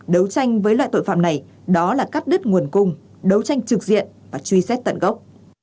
đấu tranh với loại tội phạm này đó là cắt đứt nguồn cung đấu tranh trực diện và truy xét tận gốc